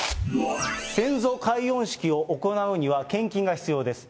先祖解怨式を行うには、献金が必要です。